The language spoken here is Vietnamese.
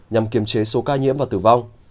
nhằm kiềm chế số ca nhiễm và tử vong